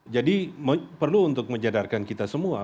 jadi perlu untuk menjadarkan kita semua